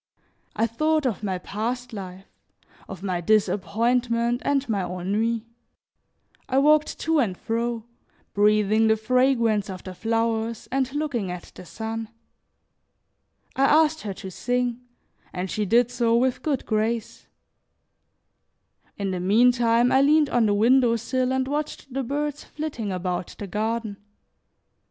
I thought of my past life, of my disappointment and my ennui; I walked to and fro, breathing the fragrance of the flowers, and looking at the sun. I asked her to sing, and she did so with good grace. In the meantime, I leaned on the window sill and watched the birds flitting about the garden.